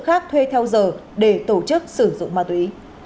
khác thuê theo giờ để tổ chức sử dụng ma túy